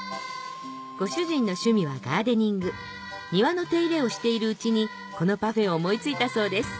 ご主人の趣味はガーデニング庭の手入れをしているうちにこのパフェを思い付いたそうです